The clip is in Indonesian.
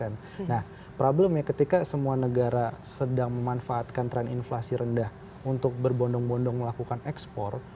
nah problemnya ketika semua negara sedang memanfaatkan tren inflasi rendah untuk berbondong bondong melakukan ekspor